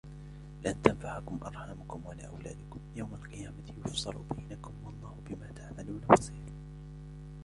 لَنْ تَنْفَعَكُمْ أَرْحَامُكُمْ وَلَا أَوْلَادُكُمْ يَوْمَ الْقِيَامَةِ يَفْصِلُ بَيْنَكُمْ وَاللَّهُ بِمَا تَعْمَلُونَ بَصِيرٌ